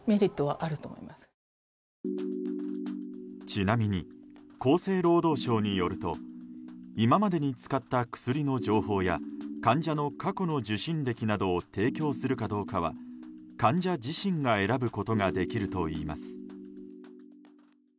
ちなみに厚生労働省によると今までに使った薬の情報や患者の過去の受診歴などを提供するかどうかは患者自身が選ぶことができるといいます。